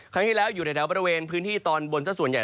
ครั้งที่แล้วอยู่ในแถวบริเวณพื้นที่ตอนบนสักส่วนใหญ่